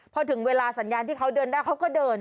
พอถึงเวลาสัญญาณที่เขาเดินได้เขาก็เดิน